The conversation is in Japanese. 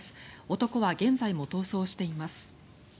男は現在も逃走しています。